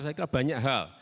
saya kira banyak hal